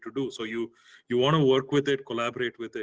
anda ingin bekerja dengannya berkolaborasi dengannya